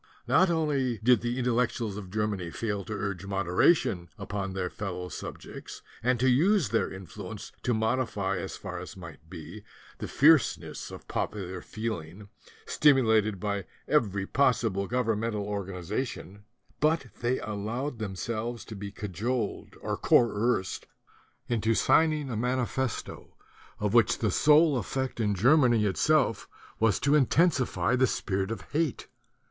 Not only did the Intellectuals of Germany fail to urge moderation upon their fellow subjects and to use their influence to modify as far as might be the fierceness of popular feeling, stimu lated by every possible governmental organiza tion, but they allowed themselves to be cajoled or coerced into signing a manifesto of which 34 THE DUTY OF THE INTELLECTUALS the sole effect in Germany itself was to intensify the spirit of hate.